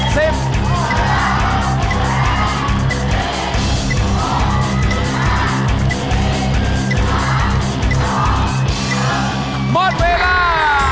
หมดเวลา